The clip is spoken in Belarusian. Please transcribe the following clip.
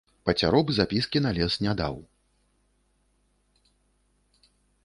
Пацяроб запіскі на лес не даў.